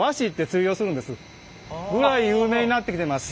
ぐらい有名になってきてます。